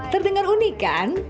terdengar unik kan